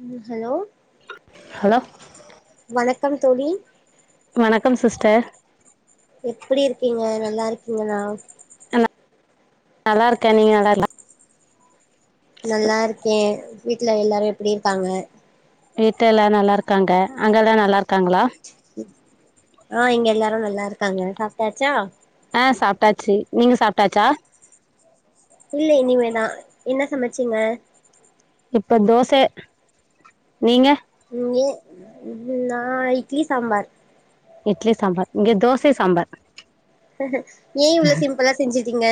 ம் hello hello வணக்கம் தோழி வணக்கம் சிஸ்டர் எப்புடி இருக்கீங்க நல்லாருக்கீங்களா நல்லாருக்க நீங்க நல்லார்ல நல்லாருக்கேவ் வீட்ல எல்லாரு எப்புடி இர்க்காங்க வீட்லா எல்லா நல்லார்க்காங்க அங்க எல்லா நல்லார் காங்ளா ஆ இங்க எல்லாரு நல்லாருக்காங்க சாப்ட்டாச்சா அ சாப்ட்டாச்சு நீங்க சாப்ட்டாச்சா இல்ல இனிமேதா என்ன சமச்சீங்க இப்ப தோச நீங்க இங்கே இது நா இட்லி சாம்பார் இட்லி சாம்பார் இங்க தோச சாம்பார் ஏ இவ்ளோ சிம்புளா செஞ்சிற் திங்க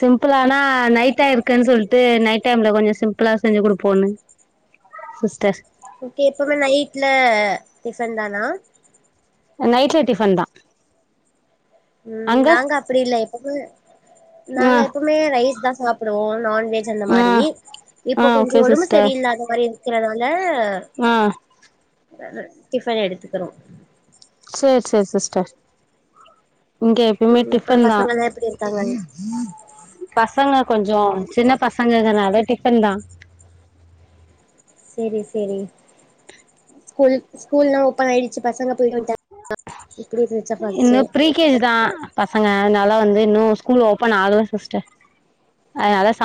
சிம்புளானா நைட்டா இருக்குன் சொல்டு நைட் டைம்ல கொஞ்ச சிம்புளா செஞ்சு குடுப்போன்னு சிஸ்ட ஓகே எப்பமே நைட்ல டிஃபன் தானா நைட்ல டிஃபன் தா உம் நாங்க அப்டி இல்ல எப்பப்ப ஆ நாங்க எப்பொமே ரைஸ் தா சாப் புடுவோ நான் வெஜ் அந்த ஆ மாரி ஆ இப்ப ஓகே கொஞ்சோ உடம்பு சிஸ்டர் சரியில்லாத மாரி இருக்கறனால ஆ டிஃபன் எடுத்துக்குறோ சேர் சேர் சிஸ்டர் இங்க எப்பமே ம் அப்புறோ டிஃபன் தா பசங்கல்லா எப்டி இருக்காங்க பசங்க கொஞ்சு ஜோம் சின்ன பசங்கங்கறனால டிஃபன் தா செரி செரி ஸ்கூல் ஸ்கூல்லா ஓப்பன் ஆயிடுச்சி பசங்க பெய்டு வண்ட்டா இன்னு ப்ரீ கேஜி தா பசங்க அதுனால வந்து இன்னு ஸ்கூல் ஓப்பன் ஆகல சிஸ்ட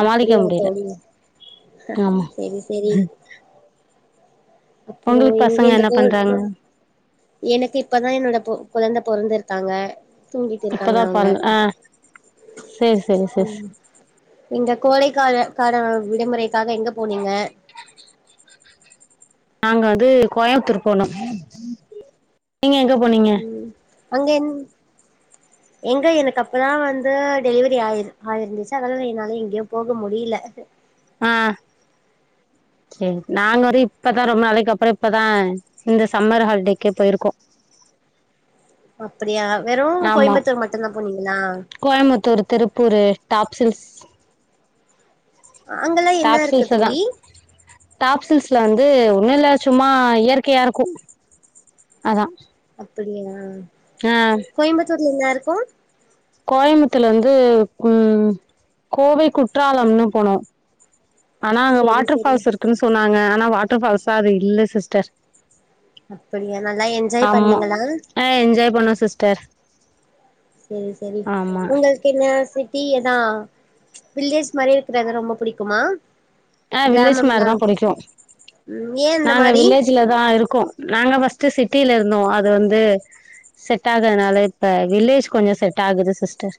அப்டியா தோழி ஆமா சரி சரி அப்புறோ உங்களுக்கு எங்க பசங்க இந்த என்ன கோல் பண்றாங்க எனக்கு இப்பதா என்னோட பொ கொழந்த பொறந்துருக்காங்க இப்பதா பொறந் அ சரி சரி சிஸ் இந்த கோடைக்கால கான விடுமுறை காக எங்க போனீங்க நாங்க வந்து கோயம்புத்தூர் போனோ நீங்க எங்க போனீங்க அங்க எங் எங்க எனக்கு அப்பதா வந்து டெலிவரி ஆயிரு ஆயிருந்துச்சு அதால என்னால எங்கயு போக முடியல ஆ சரி நாங்க வரி இப்பதா ரொம்ப நாளைக்கு அப்புறோ இப்பதா இந்த சம்மர் ஹாலிடேக்கே போயிருக்கோ அப்படியா ஆமா கோயம்முத்தூரு திருப்பூரு டாப் சில்ஸ் அங்கெல்லா என்ன இருக்கு டாப்சில்ஸ்ல தா தோழி டாப்சில்ஸ்ல வந் அது ஒன்னு இல்ல சும்மா இயற்கையா இருக்கு அதா அப்படியா அ லின்னா இருக்கு கோயம்புத்துல வந்து ம் கோவை குற்றாலம்னு போனோ ஆனா அங்க சேரி சேரி வாட்டர்ஃபால்ஸ் இருக்குன் சொன்னாங்க ஆனா வாட்டர்ஃபால்ஸா அது இல்ல சிஸ்டர் அப்படியா நல்லா என்ஜாய் பண்ணீங்களா பன்னோ சிஸ்டர் சேரி சேரி ஆமா உங்களுக்கு என்ன சிட்டி என் தா வில்லேஜ் மாரியே இருக்கறது ரொம்ப புடிக்குமா அ வில்லேஜ் மாரி கிராமம்லா தா புடிக்கு ம் ஏ அந்த நாங்க மாரி வில்லேஜ்ல தா இருக் கோ நாங்க ஃபஸ்ட்டு சிட்டில இருந்தோ அது வந்து செட் ஆகானால இப்ப வில்லேஜ் கொஞ்சோ செட் ஆகுது சிஸ்டர்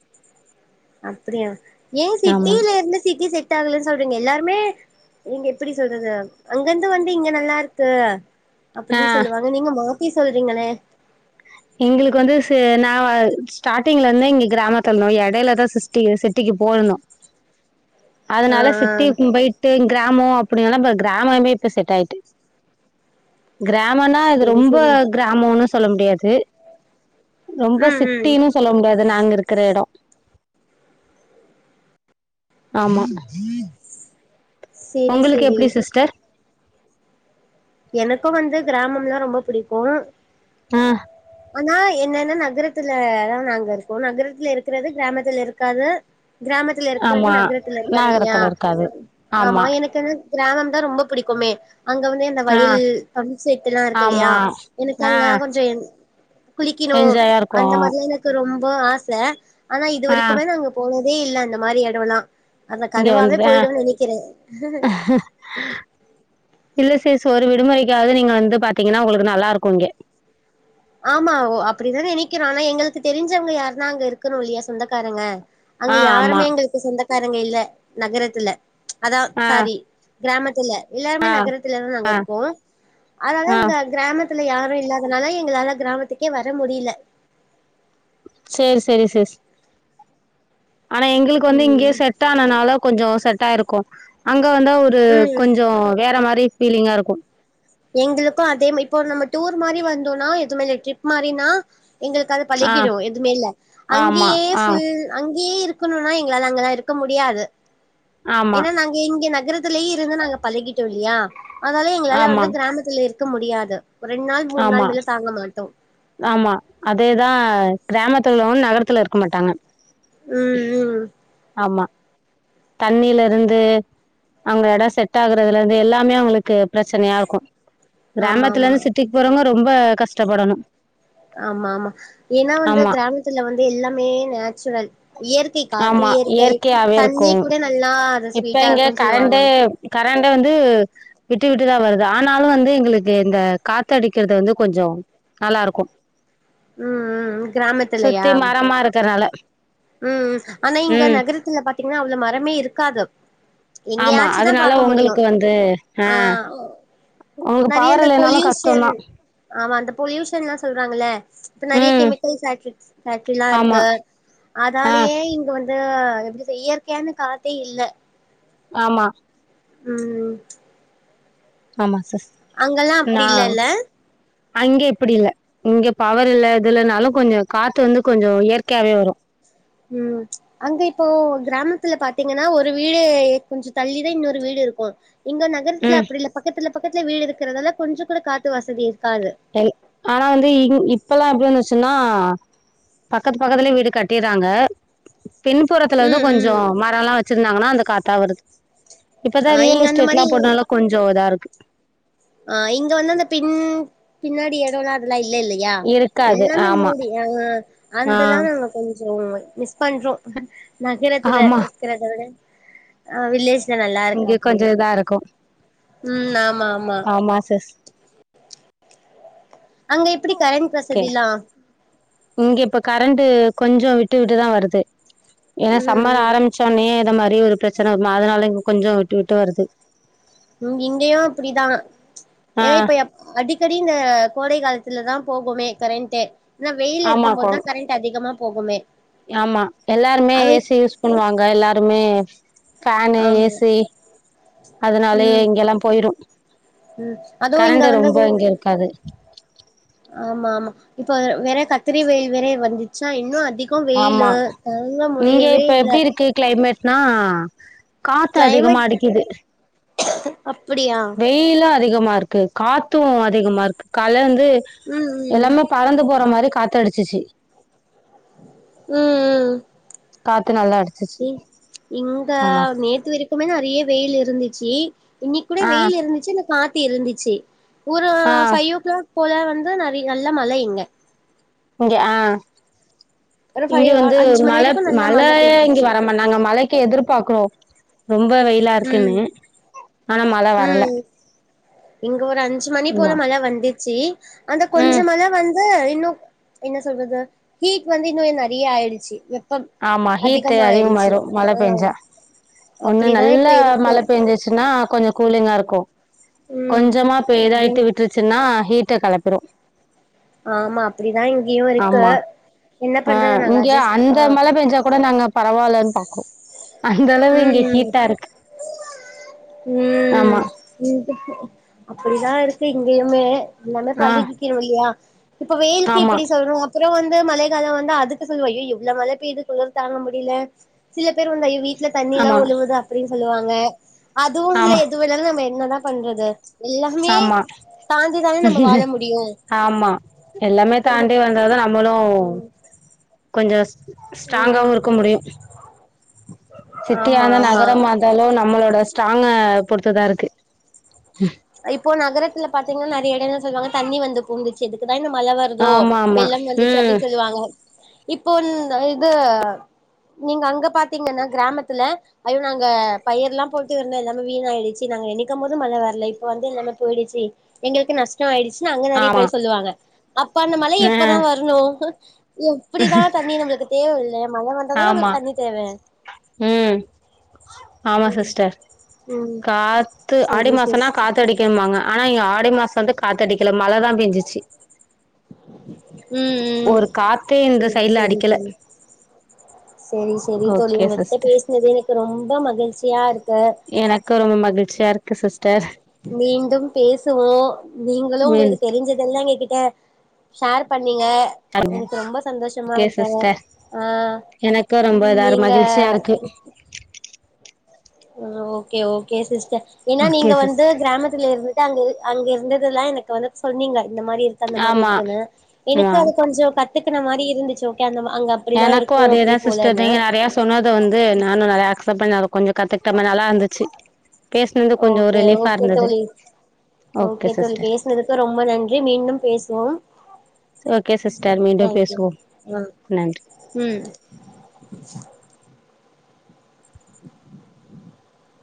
அப்டியா ஏ ஆமா சிட்டில இருந்து சிட்டி செட் ஆகலன் சொல்றீங்க எல்லாருமே நீங்க எப்டி சொல்றது அங்கந்து வந்து இங்க நல்லாருக்கு ஆ அப்படின் சொல்லுவாங்க நீங்க மாத் இ சொல்றிங்கனே எங்களுக்கு வந்து ச நா ஸ்டார்ட்டிங்ல இருந்தே இங்க கிராமத்லனோ இடையில தான் சிஸ்டி சிட்டிக்கு போய்ந்தோ ஆ அதனால ஆ சிட்டிக்கும் பயிட்டு க்ராமோ அப்டினால இப்ப கிராமமே இப்ப செட் ஆயிட்டு கிராமொன்னா இது சேரி ரொம்ப சேரி கிராமோனு சொல்ல முடியாது ரொம்ப ம் ம் சிட்டீனு சொல்ல முடியாது நாங்க இருக்ற இடம் ஆமா சேரி உங்களுக்கு சேரி எப்டி சிஸ்டர் எனக்கும் வந்து கிராமம்னா ரொம்ப பிடிக்கூ ஆஹ் ஆனா என்னன்ன நகரத்துலதான் நாங்க இருக்கோம் நகரத்துல இருக்றது கிராமத்துல இருக்காது கிராமத்துல இருக்றது ஆமா நகரத்துல இருக்காது இல்லையா நகரத்துல இருக்காது ஆமா எனக்கனு கிராமம் தான் ரொம்ப புடிக்குமே அங்க வந்து இந்த ஆ வயல் பம்செட்டுலா இருக்குல்லையா ஆமா எனக்கு ஆ அங்க கொஞ்ஜொ எ குளிக்கணூ என்ஜாயா இருக்கு அந்த மாரிலாம் எனக்கு ரொம் பொ ஆச ஆனா ஆ இதுவரைக்குமே நாங்க போனத் தே இல்ல அந்த மாரி இடொல்லா இங்க வந்துதா இல்ல சிஸ் சோ ஒரு விடுமுறைக்காவது நீங்க வந்து பாத்தீங்கனா உங்களுக்கு நல்லாருக்கு இங்க ஆமா ஓ அப்டிதான் நினைக்கிற ஆனா எங்களுக்கு தெரிஞ்சவங்க யாருனா அங்க இருக்கனு இல்லையா சொந்தக்காரங்க அங்க ஆ ஆமா யாருமே எங்களுக்கு சொந்த காரங்க இல்ல நகரத்துல அதான் ஆ சாரி கிராமத்தில எல்லாருமே நகரத்துல தான் நாங்க ஆ இருக்கோம் அதுனால ஆ இங்க கிராம தல யாரோ இல்லாதனால எங்களால கிராமத்துக்கே வர முடில சேரி சேரி சே ஆனா எங்ளுக்கு வந்து இங்கே ம் செட் ஆனனால கொஞ்சோ செட்டாயிருகோ அங் க்க வந்த ஒரு கொஞ்சோ வேற மாரி தே ஃபீலிங்கா இருக்கோ எங்குளுக்கோ அதே ம இப்போ நம்ம டூர் மாரி வந்தோனா [unintelligible] ட்ரிப் மாரினா எங்கள்க் அது ஆ பழகிரோ எதுமே ல ஆமா அங்கீயே ஆ ஃபுல் அங்கீயே இரு க்குணுனா எங்ளால அங்கலா இருக்க முடியாது ஆமா ஏனா நாங் இங்க நகரத்திலேயே இருந்து நாங்க பழகிட்டோ யா அதால எங்ளால ஆமா வந்து லே இருக்க முடியாது ஒரு ரெண்டு நாள் மூணு ஆமா நாள் மேல தாங்க மாட்டோ ஆமா அதேதா கிராமத் துலோன் நகரத்துல இருக்க மாட்டாங்க ம் ம் ஆமா தண்ணில இருந்து அங்க எடோ செட் ஆகுறதுல இருந்து எல்லாமே அவுங்ளுக்கு பிரச்சனையா இருக்கோ ஆமா ஆமா அவுங்க ரொம்ப கஷ்டப்படணு ஆமா ஆமா ஏனா வந்து ஆமா திராம்தல வந்து எல்லாமே நேச்சுரல் இயற்கை காத்து ஆமா இயற்கை இயற்கையாவே இருக்கோ தண்ணிக் கூட நல்லா அது இப்ப ஸ்வீட்டா இங்க இருக்குன்னு சொல்லுவாங்க கரண்ட்டே கரண்ட் வந்து விட்டு விட்டுதா வருது ஆனாலோ வந்து எங்குளுக்கு இந்த காத்தடிக்கிறது வந்து கொஞ்சோ நல்லாருக்கோ ம் ம் சுத்தி மரமா இருகறால உம் உம் ஆனா இங்க நகரத்தல பாத் தீங்னா அவ்ளோ மரமே இர்காதொவ் ஆமா அதனால ஒங்களுக்கு வந்து ஆ உங்களுக்கு நெறைய பவர் இந்த இல்லைனாலு பொல்யூஷன் கஷ்டோந்தா ஆமா அந்த பொல்யூஷன்லா சொல்றாங்கள இப்ப நெறைய ம் கெமிக்கல் ஃபேக்ட்ரி ஃபேக்ட்ரிலா ஆமா இருக்கு ஆ அதாலயே இங்க வந்து ஆ எப்டி செய் இயற்கையான காத்தே இல்ல ஆமா ம் ம் ஆமா சிஸ் அங்கல்லா அப்டி நா இல்லல்ல அங்க இப்டி இல்ல இங்க பவர் இல்ல இதுலனாலு கொஞ்சோ காத்து வந்து கொஞ்சோ இயற்கையாவே வரு ம் அங்க இப்போ கிராமத்துல பா த்தீங்கன்னா ஒரு வீடு கொஞ்சோ தள்ளிதா இன்னொரு வீடு இருக்கு இங்க நகரத்துல ம் அப்டி இல்ல பக்கத்துல பக்கத்துல வீடு இருக்கறதால கொஞ்சோ கூட காத்து வசதி இ எங் ஆனா வந்து இங் இப்பல்லா எப்டி வச்சுன்னா ஆ பக்கத்து பக்கத்துலே வீடு கட்டீற்றாங்க பின்புறத்துல வந்து ம் கொஞ்சோ ம் மரலா வச்சிருந்தாங்கன்னா அந்த காத்தா வருது இப்பதா ஆ ரியல் இங்க அந்த எஸ்டேட்லா மாரி போட்டனால கொஞ்சோ இதாருக்கு ஆ இங்க வந்து அந்த பின் பின்னாடி எடலா இல்ல இல்ல இல்லயா இருக்காது எல்லாமே ஆமா மூடி ஆ ஆ அந்தனாலா அங்க கொஞ்சொ மிஸ் பண்றோ நகரத்துல ஆமா இருக்குறத விட ஆ வில்லேஜ் ல இங்க கொஞ்சோ நல்லாருக்க இதா இருக்கு [unintelligible] ம் ஆமா ஆமா சிஸ் அங்க எப்டி கரண்ட் ஓகே வசதிலா இங்க இப்ப கரண்டு கொஞ்சோ விட்டு விட்டுதா வருது ஏனா சம்மர் ம் ஆரம்பிச்சோன்னே இதமா [unintelligible] ஒரு பிரச்சன வருமா அதனால இங்க கொஞ்சோ விட்டு விட்டு வருது இங் இங்கயு அப்டிதா ஆ ஏ இப்ப அடி அடிக்கடி இங்க கோடை காலத்துல தா போகுமே கரண்ட்டே ஏனா வெயில் ஆமாக்கோ இருக்கும்போதா கரண்ட் அதிகமா போகுமே ஆமா எல்லாருமே அவை ஏசி யூஸ் பண்ணுவாங்க எல்லாருமே ஃபேனு ஆமா ஏசி அதனாலே ம் இங்க எல்லா போயிரு ம் அதுவு இங்க கரண்டு வந்து ரொம்ப இங்க அது இருக்காது ஆமா ஆமா இப்ப வே வேற கத்திரி வெயில் வேற வந்துச்சா இன்னும் அ அதிகோ வெயிலு ஆமா தாங்க முடியவே இல்ல நா காத்து அதிகமா கிளைமேட் அடிக்கிது அப்படியா வெயிலு அதிகமா இருக்கு காத்து அதிகமா இருக்கு கலந்து ம் ம் எல்லாமே பறந்து போற மாரி காத்து அடிச் சிச்சி ம் ம் காத் இங் இங்க ஆமா நேத்து வரைக்குமே நெறைய வெயிலு இருந்துச்சி இன்னிக் கூட ஆ வெயில் இருந்துச்சி இந்த காத் இருந்துச்சி ஊரோ ஆ ஃபைவ் ஓ க்ளாக் போல வந்து நெறைய நல்ல மழை இங்க இங்க ஆ ஒரு இங்க ஃபைவ் வந்து அஞ்சு மணி மழ வரைக்கு நல்லா மழ மழய இங்க பெஞ்சுச்சு வரமா நாங்க மழைக்கு எதிர்பாக்குறோம் ரொம்ப வெயிலா இருக்குனு ம் ஆனா மழ வரல்ல உம் க ஒரு அஞ்சு மணி போல மழ வந்து ச்சி அந்த ம் கொஞ்ச மழ வந் ம் இன்னும் என்ன சொல்றது ஹீட் வந்து இன்னுவே நறைய ஆயிடுச்சு. வெப்பம் ஆமா ஹீட்டு அதிகமா ஆயிடுச்சு அதிகமாயிரும் மழ ஆ பேய்ஞ்சா ஒண்ணு அப்டிதா இப்ப நல்லா இருக்கு மழ பெஞ்சுச்சுன்னா கொஞ்சோ கூலிங்கா இருக்கும் ம் கொஞ்சமா பெய்தாயிட்டு ம் விட்டுருச்சின்னா ஹீட்ட களப்பிரும் ஆம்மா அப்படிதா இங்கயும் இருக்கு என்ன ஆ பண்றது நாங்க அஜேஷ் ப அந்த இங்க மழ பேஞ்சா கொட நாங்க பரவாலன் பாக்கோம் அந்த அளவு இங்க ம் ம் ஹீட்டாருக்கு ஆம்மா அப்படிதான் இருக்கு இங்கயுமே எல்லாமே ஆ பழகிக்கிறோ இல்லையா இப்ப வெயிலுக்கு ஆமா இப்படி சொல்றோ அப்றோ வந்து மழை காலோ வந்தா அதுக்கு சொல்வோ ஏ இவ்ளோ மழ பெய்து குளிர் தாங்க முடில சில பேர் வந்து அய்யோ வீட் ட்ல தண்ணில்லா ஆமா ஒழுவுது அப்டின் சொல்லுவாங்க அதுவு இல்ல ஆமா எதுவு இல்லனா நம்ம என்னதா பண்றது எல்லாமே ஆமா தாந்டிதானே நாம வாழ முடியும் ஆமா எல்லாமே தாண்டி வந்ததும் நம்மளும் கொஞ்சம் ஸ்ட்ராங்காவூம் ம் இருக்க முடியும் ஆமா சிட்டியான ஆமா நகரம் வந்தாலும் நம்மளோட ஸ்ட்ராங்கா பொருத்துதான்இருக்கு இப்போ நகரத்துல பாத்தீங்கன்னா நிறைய இடம்ன்ன சொல்லுவாங்க தண்ணி வந்து புகுந்துச்சு எதுக்கு இந்த மழ வருதோ ஆமா ஆமா வெள்ளம் வந்துச்சு ம் அப்டின்னு சொல்லுவாங்க இப்போ இது நீங்க அங்க பாத்தீங்கன்னா கிராமத்துல ஐயோ நாங்க பயர் எல்லா போட்டு இந்தோ எல்லாமே வீணய்டருச்சு நாங்க நினைக்கும் போது மழ வரல இப்ப வந்து எல்லாமே போய்டுச்சு எங்களுக்கு நஷ்டம் ஆய்டுச் அங்க நெறைய ஆமா பேர் சொல்லுவாங்க அப்ப அந்த மழ ஆ எப்பதா வரணு எப்டிதா தண்ணி நம்மளுக்கு தேவல்ல ஆமா ம் ஆமா சிஸ்டர் ம் காத்து ஆடி செரி மாசன்னா சிஸ்டர் காத்து காத்தடிக்கும்வாங்க ஆனா இங்க ஆடி மாச வந்து காத்தடிக்கல மழதா பேஞ்சுச்சு ம் ம் காத்தே இந்த செரி சைட்ல செரி அடிக்கல தோழி செரி செரி தோழி ஓகே உங்கிட்ட சிஸ்டர் பேசுனது எனக்கு ரொம்ப மகிழ்ச்சியா இருக்கு எனக்கு ரொம்ப மகிழ்ச்சியா இருக் [unintelligible] மீண்டும் பேசுவோ நீங்களும் மீன் உங்களுக்கு தெரிஞ்சதெல்லாம் எங்க கிட்ட ஷேர் பண் நீங்க எனக்கு ரொம்ப சந்தோஷமா ஓகே இருக்க சிஸ்டர் ஆ எனக்கு ரொம்ப இதாரு நீங்க மகிழ்ச்சியா இருக்கு ஓகே ஓகே சிஸ்டர் ஏன்னா ஓகே நீங்க வந்து சிஸ்டர் கிராமத்துல இருந்து அங்க அங்க இருந்ததுதெல்லாம் எனக்கு வந்து சொன்னீங்க இந்த மாரி இருக்கு அந்த மாரி ஆமா இருக்குன்னு ஆ எனக்கு அது கொஞ்ச கத்துக் மாரி இருந்துச்சு ஓகே அந்த அங்க அப்படிலா எனக்கும் இருக்கு அப்படி அதேதா சிஸ்டர் போலன்னு நீங்க நெறைய சொன்னது வந்து நானும் நெறைய அக்சப்ட் பண்ணி கொஞ்ச கத்துகிட்டமே நல்லா இருந்துச்சு பேசுனது கொஞ்சோ ஓகே ரிலீஃபா ஓகே இருந்தது தோழி ஓகே தோழி பேசுனதுக்கு ரொம்ப நன்றி மீண்டும் பேசுவோம் ஓகே சிஸ்டர் மீண்டும் தேங்க்யூ பேசுவோம் ஆ நன்றி ம் [inaudible] [inaudible]